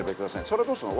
それはどうするの？